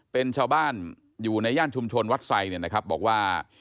เป็นชาวบ้านอยู่ในย่านชุมชนวัดไสบอกว่า